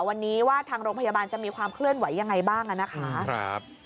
วันนี้ว่าทางโรงพยาบาลจะมีความเคลื่อนไหวยังไงบ้างนะคะ